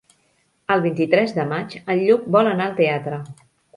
El vint-i-tres de maig en Lluc vol anar al teatre.